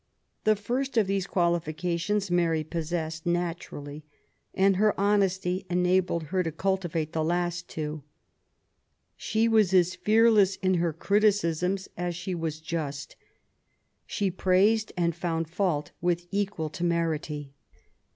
The first of these qualifications Mary possessed natu rally, and her honesty enabled her to cultivate the two last. She was as fearless in her criticisms as she was just; she praised and found fault with equal temerity.